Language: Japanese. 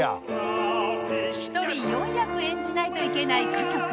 １人４役演じないといけない歌曲